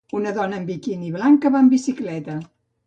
Una dona amb biquini blanc que va en bicicleta.